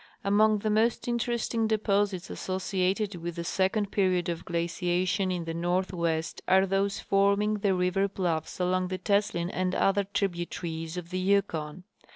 Among the most interesting deposits associated with the second period of giaciation in the northwest are those forming the river bluffs along the Teslin and other tributaries of the Yukon.